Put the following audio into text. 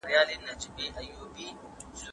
د هېواد بهرنی پالیسي د عدالت ملاتړ نه کوي.